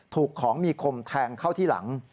ถูกของมีคมแทงเข้าที่หลัง